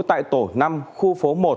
tại tổ năm khu phố một